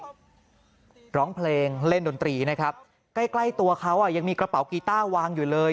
ก็ร้องเพลงเล่นดนตรีนะครับใกล้ใกล้ตัวเขาอ่ะยังมีกระเป๋ากีต้าวางอยู่เลย